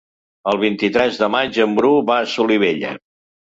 El vint-i-tres de maig en Bru va a Solivella.